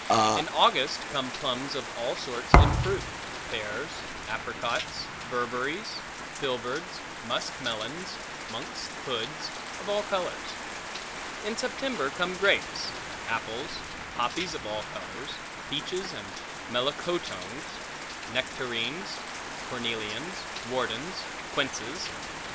In August come plums of all sorts in fruit; pears; apricocks; berberries; filberds; musk melons; monks hoods, of all colors. In September come grapes; apples; poppies of all colors; peaches; melocotones; nectarines; cornelians; wardens; quinces.